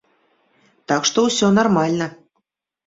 Так што ўсё нармальна.